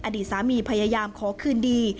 อดีตสามีพยายามขอคืนดี